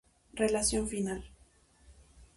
Relación final.